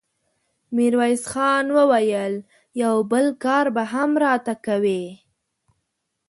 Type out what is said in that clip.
ميرويس خان وويل: يو بل کار به هم راته کوې!